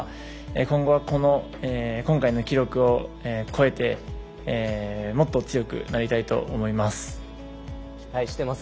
今後はこの今回の記録を超えてもっと強くなりたいと思います。